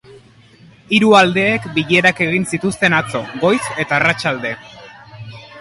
Hiru aldeek bilerak egin zituzten atzo, goiz eta arratsalde.